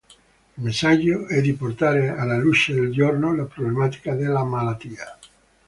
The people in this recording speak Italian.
Il messaggio è di portare alla luce del giorno la problematica della malattia.